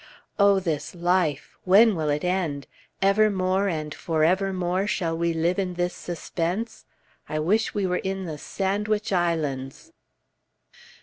Oh, this life! When will it end? Evermore and forevermore shall we live in this suspense? I wish we were in the Sandwich Islands.